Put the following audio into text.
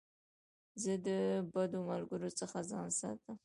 زه د بدو ملګرو څخه ځان ساتم.